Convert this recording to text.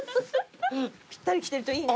ぴったりきてるといいね。